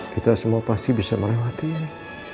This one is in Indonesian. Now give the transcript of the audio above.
kita semua pasti bisa melewati ini